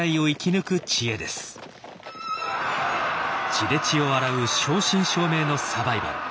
血で血を洗う正真正銘のサバイバル。